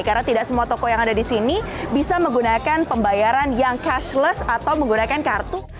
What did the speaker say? karena tidak semua toko yang ada di sini bisa menggunakan pembayaran yang cashless atau menggunakan kartu